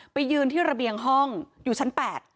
ไปยืนที่ระเบียงห้องอยู่ชั้น๘